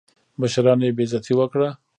مشرانو یې بېعزتي وکړه.